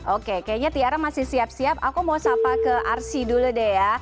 oke kayaknya tiara masih siap siap aku mau sapa ke arsy dulu deh ya